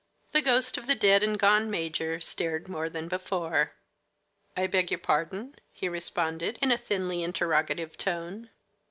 The ghost of the dead and gone major stared more than before. "I beg your pardon?" he responded, in a thinly interrogative tone.